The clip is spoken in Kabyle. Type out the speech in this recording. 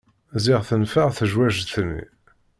Ziɣ tenfeε tejwejt-nni.